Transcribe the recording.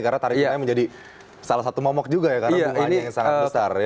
karena tarik tunai menjadi salah satu momok juga ya karena bunganya yang sangat besar